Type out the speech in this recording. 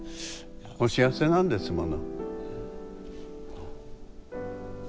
お幸せなんですもの。